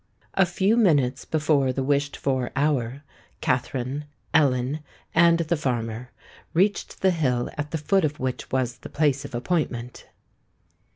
A few minutes before the wished for hour, Katherine, Ellen, and the farmer reached the hill at the foot of which was the place of appointment.